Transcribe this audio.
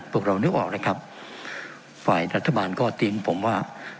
พวกเรานึกออกนะครับฝ่ายรัฐบาลก็ทิ้งผมว่า